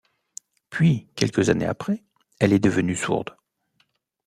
Puis quelques années après, elle est devenue sourde.